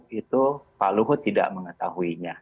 di blog derewuk itu pak luhut tidak mengetahuinya